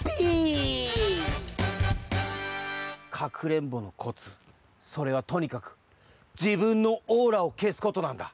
かくれんぼのコツそれはとにかくじぶんのオーラをけすことなんだ。